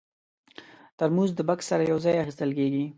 ترموز د بکس سره یو ځای اخیستل کېږي.